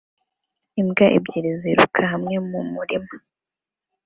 Imbwa ebyiri ziruka hamwe mu murima